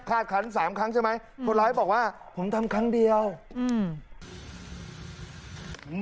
คันสามครั้งใช่ไหมคนร้ายบอกว่าผมทำครั้งเดียวอืม